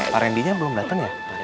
pak rendinya belum datang ya